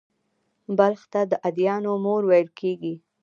بلخ ته «د ادیانو مور» ویل کېږي